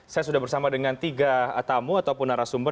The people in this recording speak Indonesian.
saya sudah bersama dengan tiga tamu ataupun narasumber